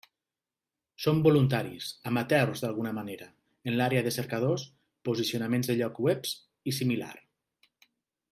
Som voluntaris, amateurs d'alguna manera, en l'àrea de cercadors, posicionaments de llocs web i similars.